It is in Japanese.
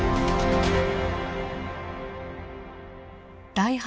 第８